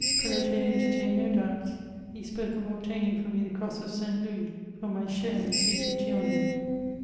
Pelletier entertuned no doubts. He ^oke of obtaining for me the cross of St. Loois, f<nr m j share in the siege of Ttaoor' ville.